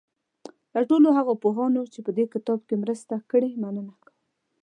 له ټولو هغو پوهانو چې په دې کتاب کې مرسته کړې مننه کوم.